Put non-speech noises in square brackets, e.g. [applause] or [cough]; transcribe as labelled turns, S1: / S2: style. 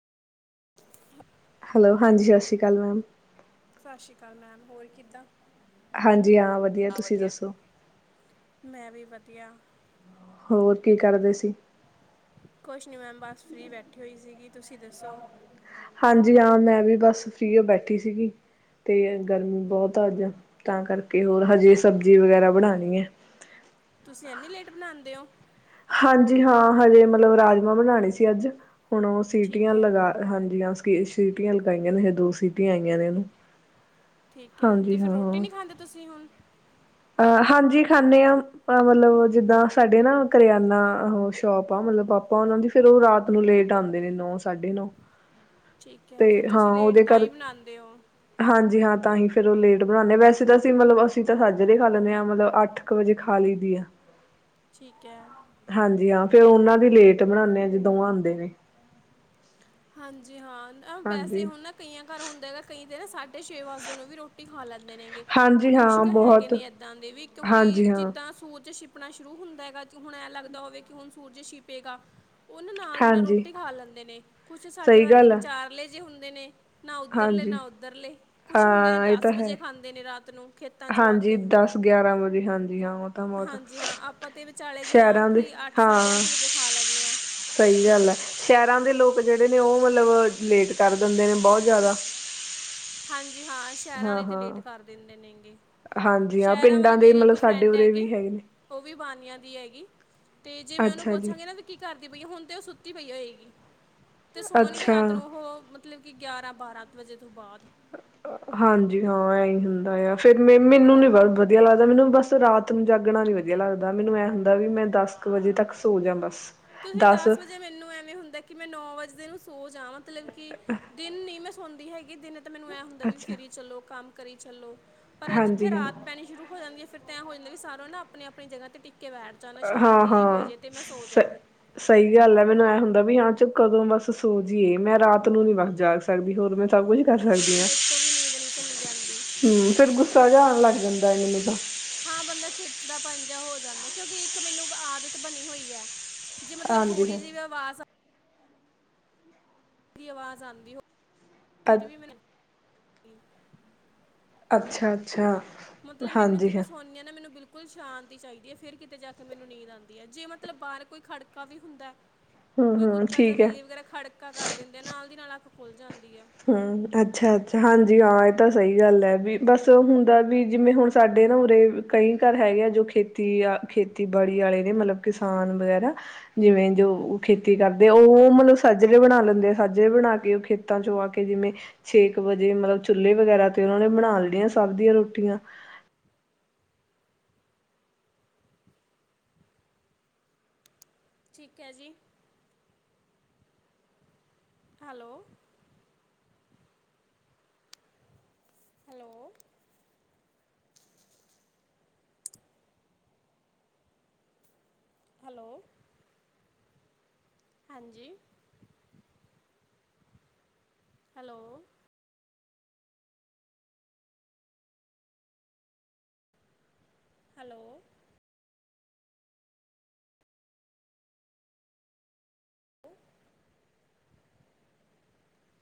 S1: Hello ਹਾਂਜੀ ਸਤਿ ਸ੍ਰੀ ਅਕਾਲ ਮੈਮ
S2: ਸਤਿ ਸ਼੍ਰੀ ਅਕਾਲ ਮੈਮ ਹੋਰ ਕਿੱਦਾਂ।
S1: ਹਾਂਜੀ ਹਾਂ ਵਧੀਆ ਤੁਸੀਂ ਦੱਸੋ।
S2: ਮੈਂ ਵੀ ਵਧੀਆ।
S1: ਹੋਰ ਕੀ ਕਰਦੇ ਸੀ।
S2: ਕੁਛ ਨੀ ਮੈਮ ਬਸ ਫ੍ਰੀ ਬੈਠੀ ਹੋਈ ਸੀਗੀ। ਤੁਸੀਂ ਦੱਸੋ।
S1: ਹਾਂਜੀ ਹਾਂ ਮੈਂ ਵੀ ਬਸ ਫ੍ਰੀ ਏ ਬੈਠੀ ਸੀਗੀ ਤੇ ਗਰਮੀ ਬਹੁਤ ਆ ਅੱਜ ਤਾਂ ਕਰਕੇ ਹੋਰ ਹਜੇ ਸਬਜ਼ੀ ਵਗੈਰਾ ਬਣਾਉਣੀ ਹੈ।
S2: ਤੁਸੀਂ ਐਨੀ ਲੇਟ ਬਣਾਂਦੇ ਔ।
S1: ਹਾਂਜੀ ਹਾਂ, ਹਜੇ ਮਤਲਬ ਰਾਜਮਾਂ ਬਣਾਂਣੇ ਸੀ ਅੱਜ। ਹੁਣ ਔ ਸੀਟੀਆਂ
S2: ਠੀਕ ਹੈ
S1: ਲਗਾ ਹਾਂਜੀਆਂ। ਕੇ ਸੀਟੀਆਂ ਲਗਾਈਆਂ ਨੇ ਹਏ ਦੋ ਸੀਟੀਆਂ ਆਈਆਂ ਨੇ ਔਨੂੰ।
S2: ਠੀਕ ਹੈ, ਤੇ ਫੇਰ ਰੋਟੀ ਨੀ ਖਾਂਦੇ ਤੁਸੀਂ ਹੁਣ?
S1: ਅ ਹਾਂਜੀ ਖਾਂਣੇ ਆ, ਅ ਮਤਲਬ ਜਿਦਾਂ ਸਾਡੇ ਨਾ ਕਰਿਆਨਾ ਅਹੋ ਸ਼ੋਪ ਆ ਮਤਲਬ ਪਾਪਾ ਉਨਾ ਦੀ, ਫੇਰ ਔ ਰਾਤ ਨੂੰ ਲੇਟ ਆਂਦੇ ਨੇ ਨੌ ਸਾਡੇ ਨੌ।
S2: ਠੀਕ ਹੈ ਫਿਰ
S1: ਤੇ ਹਾਂ
S2: ਤੁਸੀਂ ਲੇਟ
S1: ਔਦੇ
S2: ਤਾਂ
S1: ਘਰ
S2: ਹੀ ਬਣਾਉਂਦੇ ਹੋ
S1: ਹਾਂਜੀ ਹਾਂ ਤਾਂ ਹੀ। ਫਿਰ ਔ ਲੇਟ ਬਣਾਂਣੇ ਆਂ। ਵੈਸੇ ਤਾਂ ਅਸੀਂ ਮਲਬ ਅਸੀਂ ਤਾ ਸਾਡ ਜਦੇ ਖਾ ਲੈਂਣੇ ਆਂ, ਮਲਬ ਅੱਠ ਕ ਵਜੇ ਖਾ ਲਈ ਦੀ ਆ।
S2: ਠੀਕ ਹੈ
S1: ਹਾਂਜੀ ਹਾਂ ਫੇਰ ਔਨਾਂ ਵੀ ਲੇਟ ਬਣਾਂਦੇ ਆਂ, ਜੀਦੋ ਔ ਆਂਦੇ ਨੇ।
S2: ਹਾਂਜੀ ਹਾਂ। ਅ ਬੈਸੇ
S1: ਹਾਂਜੀ
S2: ਹੁਣ ਨਾ ਕਈਆਂ ਘਰ ਹੁੰਦਾ ਹੈਗਾ ਕਈ ਜੇਣਾ ਸਾਡ ਸਾਡੇ ਛੇ ਵਜਦੇ ਨੂੰ ਵੀ ਰੋਟੀ ਖਾ ਲੈਂਦੇ ਨੇਗੇ।
S1: ਹਾਂਜੀ
S2: ਕੁੱਛ
S1: ਹਾਂ
S2: ਕ ਹੈਗੇ
S1: ਬਹੁਤ
S2: ਨੇ ਐਦਾਂ ਦੇ ਵੀ, ਕਿਉਂਕਿ
S1: ਹਾਂਜੀ ਹਾਂ
S2: ਜਿੱਦਾਂ ਸੂਰਜ ਛਿਪ ਪਣਾ ਸ਼ੁਰੂ ਹੁੰਦਾ ਹੈਗਾ ਤਿਉ ਹੁਣ ਐਂ ਲੱਗਦਾ ਹੋਵੇ ਕਿ ਹੁਣ ਸੂਰਜ ਛਿਪੇਗਾ। ਔਨਾਂ ਨਾਲ ਦੀ ਨਾਲ
S1: ਹਾਂਜੀ
S2: ਰੋਟੀ ਖਾ ਲੈਂਦੇ ਨੇ। ਕੁਛ ਸਾਡੇ
S1: ਸਹੀ
S2: ਵਰਗੇ
S1: ਗੱਲ ਆ
S2: ਵਿਚਾਰਲੇ ਜੇ ਹੁੰਦੇ ਨੇ। ਨਾ ਉੱਧਰਲੇ
S1: ਹਾਂਜੀ
S2: ਨਾ ਓਧਰਲੇ ਕੁਛ ਹੁੰਦੇ ਨੇ
S1: ਹਾਂ ਇਹ
S2: ਦਸ
S1: ਤਾਂ ਹੈ
S2: ਵਜੇ ਖਾਂਦੇ ਨੇ ਰਾਤ [unintelligible] ਆ
S1: ਹਾਂਜੀ,
S2: ਕੇ
S1: ਦਸ ਗਿਆਰਾਂ ਵਜੇ ਹਾਂਜੀ ਹਾਂ ਔ ਤਾਂ ਬੌਤ
S2: ਹਾਂਜੀ ਹਾਂ ਆਪਾਂ ਤਾਂ ਵਿਚਾਲੇ ਜੇ ਹਾਂ
S1: ਸੈ਼ਰਾਂ ਦੇ
S2: ਕਿ ਅੱਠ
S1: ਹਾਂ,
S2: ਸਾਢੇ ਅੱਠ ਵਜੇ ਖਾ ਲੈਂਦੇ ਹਾਂ
S1: ਸਹੀ ਗੱਲ ਐ, ਸੈ਼ਰਾਂ ਦੇ ਲੋਕ ਲੋਕ ਜੇੜੇ ਨੇ ਔ ਮਲਬ ਲੇਟ ਕਰ ਦੇੰਦੇ ਨੇ ਬੌਤ ਜੈਦਾ।
S2: ਜੀ ਹਾਂ ਸੈ਼ਰਾਂ ਅਲੇ ਤੇ ਲੇਟ ਕਰ ਦੇੰਦੇ ਨੇਗੇ।
S1: ਹਾਂਜੀ ਹਾਂ
S2: ਸੈ਼ਰਾਂ ਵਾਲੇ
S1: ਪਿੰਡਾਂ ਦੇ
S2: ਮੇਰੀ ਇੱਕ
S1: ਮਤਲਬ ਸਾਡੇ
S2: ਫਰੈਂਡ
S1: ਉਰੇ
S2: ਹੈਗੀ,
S1: ਵੀ ਹੈਗੇ ਨੇ
S2: ਔ ਵੀ ਬਾਨੀਆਂ ਦੀ ਹੈਗ ਗੀ। ਤੇ ਜੇ ਮੈਂ ਔਨੂੰ
S1: ਅੱਛਾ ਜੀ
S2: ਪੋਛਾਂਗੀ ਨਾ ਵੀ ਕੀ ਕਰ ਸੁਤੀ ਪਈ ਐ ਹੁਣ ਤੇ ਔ ਸੁੱਤੀ ਪਈ ਹੋਏਗੀ। ਤੇ ਸੋਣਗੇ
S1: ਅੱਛਾ
S2: ਰਾਤ ਨੂੰ ਓਹ ਮ ਮਤਲਬ ਕਿ ਗਿਆਰਾਂ ਬਾਰਾਂ ਤ ਵਜੇ ਤੋਂ ਬਾਦ।
S1: ਅ ਅ ਹਾਂਜੀ ਹਾਂ ਐਹੀ ਹੁੰਦਾ ਆ, ਫੇਰ ਮੇ ਮੇਨੂੰ ਨੀ ਬ ਵਧੀਆ ਲੱਗਦਾ ਮੈਨੂੰ ਬਸ ਰਾਤ ਨੂੰ ਜਾਗਣਾ ਨੀ ਵਧੀਆ ਲੱਗਦਾ, ਮੈਨੂੰ ਐ ਹੁੰਦਾ ਵੀ ਮੈਂ ਦਸ ਕ ਵਜੇ ਤੱਕ ਸੋ ਜਾ ਬਸ।
S2: ਤੁਸੀਂ ਦਸ ਵਜੇ ਮੈਨੂੰ ਐਵੇਂ ਹੁੰਦੈ ਕਿ ਮੈਂ ਨੌ ਵਜਦੇ ਨੂੰ ਸ ਜਾਂ ਮਤਲਬ ਕਿ ਦਿਨ ਨੀ ਮੈਂ ਹੋੰਦੀ ਹੈਗੀ ਇਹ ਦਿਨ ਤਾਂ ਮੈਨੂੰ ਇਹੀ ਹੁੰਦਾ ਵੀ
S1: ਅੱਛਾ
S2: ਫਿਰ ਈ ਚਲੋ ਕੰਮ। ਕਰੀ ਚੱਲੋ, ਪਰ ਏਹ ਜਿੱਥੇ
S1: ਹਾਂਜੀ ਹਾਂ
S2: ਰਾਤ ਪੈਣੀ ਸ਼ੁਰੂ ਹੋ ਜਾਂਦੀ ਹੈ ਫੇਰ, ਤ ਹੋ ਜਾਂਦਾ ਵੀ ਸਾਰ ਨਾ ਆਪਣੀ ਆਪਣੀ ਜਗ੍ਹਾ ਤੇ ਟਿਕ [inaudible] ਟਿਕ ਕੇ ਬੈਠ ਜਾਨ
S1: ਹਾਂ
S2: ਸ਼ਾਂਤੀ ਜੀ
S1: ਹਾਂ
S2: ਹੋਜੇ ਤੇ ਮੈਂ ਸੋ
S1: ਸ
S2: ਜਾ,
S1: ਸਹੀ ਗੱਲ ਏ ਮੈਨੂੰ ਇਹ ਹੁੰਦਾ ਵੀ ਹਾਂ ਚ ਕਦੋਂ ਬਸ ਸੋ ਜੀਏ ਮੈਂ ਰਾਤ ਨੂੰ ਨੀ ਬਸ ਜਾਗ ਸਕਦੀ ਹੋਰ ਮੈਂ ਸਭ ਕੁਛ ਕਰ ਸਕਦੀਆਂ
S2: ਮੇਰੇ ਤੋਂ ਵੀ ਨੀਂਦ ਨਹੀਂ ਚੱਲੀ ਜਾਂਦੀ
S1: ਹੂੰ ਫੇਰ ਗੁੱਸਾ ਜਾ ਆਣ ਲੱਗ ਜਾਂਦਾ। ਮੈਨੂੰ ਤਾ, ਤ
S2: ਹਾਂ ਬੰਦਾ ਚਿੜਚਿੜਾ ਪਨ ਜਾ ਹੋ ਜਾਂਦਾ ਕਿਉਂਕਿ ਇੱਕ ਮਿਨੂੰ ਆਦਤ ਬਣੀ ਹੋਈ ਹੈ। ਜੇ ਮਤਲਬ
S1: ਹਾਂਜੀ
S2: ਥੋੜ੍ਹੀ
S1: ਹਾਂ
S2: ਜਿਹੀ ਵੀ ਅਵਾਜ਼। ਦੀ ਆਵਾਜ਼ ਆਦੀ ਹੋ ਫਿਰ
S1: ਅ
S2: ਵੀ ਮੈਨੂੰ [unintelligible] [inaudible]
S1: ਅੱਛਾ-ਅੱਛਾ,
S2: ਮਤਲਬ ਮੈਨੂੰ
S1: ਹਾਂਜੀ
S2: ਜਦੋਂ
S1: ਹਾਂ,
S2: ਮੈਂ ਸੋਂਨੀ ਆ ਨਾ ਮੈਨੂੰ ਬਿਲਕੁਲ ਸ਼ਾਂਤ ਚਾਈਦੀ ਹੈ ਫੇਰ ਕਿਤੇ ਜਾ ਕੇ ਮੈਨੂੰ ਨੀਂਦ ਆਦੀ ਏ ਜੇ ਮਤਲਬ ਬਾਹਰ ਕੋਈ ਖੜਕਾ ਵੀ ਹੁੰਦਾ। ਕੋਈ
S1: ਹੂੰ-ਹੂੰ
S2: ਕੁੱਤਾ ਜਾਂ
S1: ਠੀਕ ਐ।
S2: ਬਿੱਲੀ ਵਗੈਰਾ ਖੜਕਾ ਕਰ ਦਿੰਦੇ ਆ ਨਾਲ ਦੀ ਨਾਲ ਆ, ਖੁੱਲ ਜਾਂਦ।
S1: ਹੂੰ ਅੱਛਾ-ਅੱਛਾ ਹਾਂਜੀ ਹਾਂ। ਤਾਂ ਸਹੀ ਗੱਲ ਏ ਵੀ ਬਸ ਹੁੰਦਾ ਵੀ ਜਿਵੇਂ ਹੁਣ ਸਾਡੇ ਨਾ ਉਰੇ ਕਈ ਘਰ ਹੈਗੇ ਆ ਜੋ ਖੇਤੀ ਖੇਤੀਬਾੜੀ ਆਲੇ ਨੇ ਮਤਲਬ ਕਿਸਾਨ ਵਗੈਰਾ ਜਿਵੇਂ ਜੋ ਖੇਤੀ ਕਰਦੇ ਉਹ ਮਤਲਬ ਸਾਜਰੇ ਬਣਾ ਲੈਂਦੇ ਆ ਸਾਜਰੇ ਬਣਾ ਕੇ ਖੇਤਾਂ ਚੋਂ ਆ। ਕੇ ਜਿਵੇਂ ਛੇ ਕੁ ਵਜੇ ਮਲਬ ਚੁੱਲ੍ਹੇ ਵਗੈਰਾ ਤੇ ਉਹਨਾਂ ਨੇ ਬਣਾ ਲੈਣੀਆਂ ਸਭ ਦੀਆਂ ਰੋਟੀਆਂ
S2: ਠੀਕ ਹੈ ਜੀ, ਹੈਲੋ, ਹੈਲੋ ਹੈਲੋ, ਹਾਂਜੀ, ਹੈਲੋ, ਹੈਲੋ, ਦ [unintelligible] [inaudible]